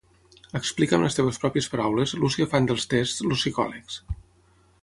Explica amb les teues pròpies paraules l'ús que fan dels tests els psicòlegs.